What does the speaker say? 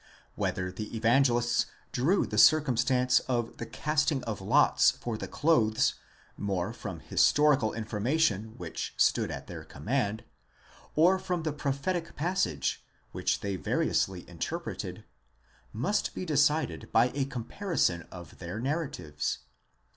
Whether the Evangelists drew the circumstance of the casting of lots for the clothes more from historical information which stood at their command, or from the prophetic passage which they variously interpreted, must be decided by a comparison of their narratives.